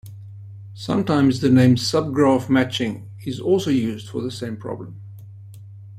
Sometimes the name subgraph matching is also used for the same problem.